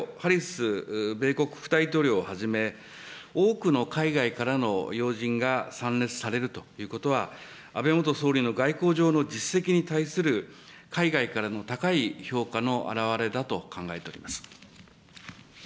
いずれにせよ、ハリス米国副大統領をはじめ、多くの海外からの要人が参列されるということは、安倍元総理の外交上の実績に対する海外からの高い評価の表れだと考えております。